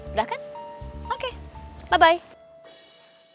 udah kan oke bye bye